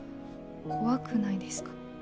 怖くないですか？